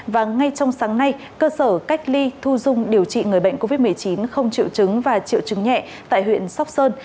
và ngay trong sáng nay cơ sở cách ly thu dung điều trị người bệnh covid một mươi chín không triệu chứng và triệu chứng nhẹ tại huyện sóc sơn